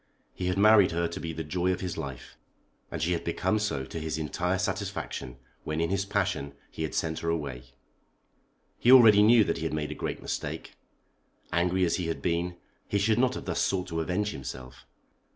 He had married her to be the joy of his life, and she had become so to his entire satisfaction when in his passion he had sent her away. He already knew that he had made a great mistake. Angry as he had been, he should not have thus sought to avenge himself.